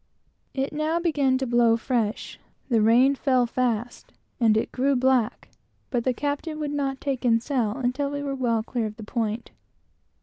It now began to blow fresh; the rain fell fast, and it grew very black; but the captain would not take in sail until we were well clear of the point.